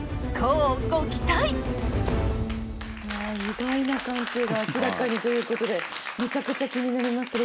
うわ「意外な関係が明らかに」ということでめちゃくちゃ気になりますけど。